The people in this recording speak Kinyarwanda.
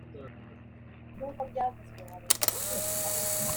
nk’uko byavuzwe haruguru muri iki gitabo